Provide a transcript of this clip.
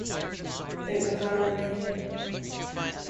It was our arrangement.